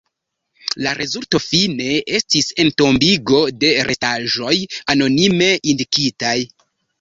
La rezulto, fine, estis entombigo de restaĵoj anonime indikitaj.